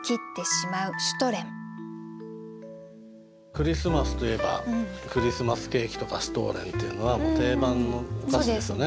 クリスマスといえばクリスマスケーキとかシュトレンっていうのは定番のお菓子ですよね。